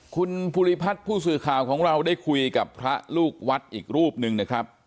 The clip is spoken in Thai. คุณภูริพัฒน์ผู้สื่อข่าวของเราได้คุยกับพระลูกวัดอีกรูปหนึ่งนะครับ